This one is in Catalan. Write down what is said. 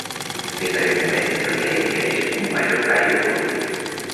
Des d'aquest moment, el diari adquireix un major caire polític.